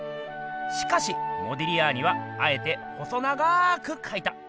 しかしモディリアーニはあえて細長くかいた。